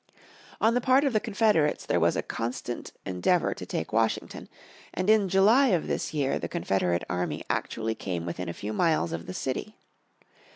On the part of the Confederates there was a constant endeavour to take Washington, and in July of this year the Confederate army actually came within a few miles of the city.